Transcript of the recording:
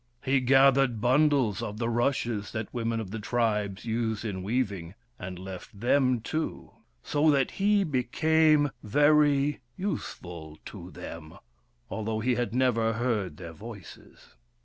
He gathered bundles of the rushes that women of the tribes use in weaving, and left them too. So that he became very useful to them, although he had never heard their voices.